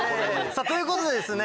さぁということでですね